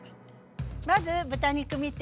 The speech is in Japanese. まず豚肉見て。